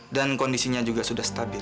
dan kondisinya juga sudah stabil